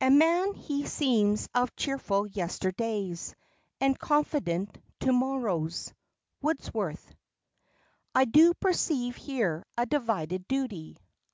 "A man he seems of cheerful yesterdays And confident to morrows." WORDSWORTH. "I do perceive here a divided duty."